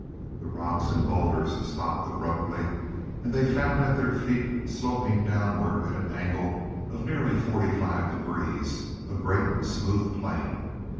The rocks and bowlders stopped abruptly, and they found at their feet, sloping downward at an angle of nearly forty five degrees, a great, smooth plane.